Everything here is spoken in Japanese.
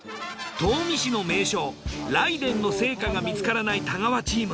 東御市の名所雷電の生家が見つからない太川チーム。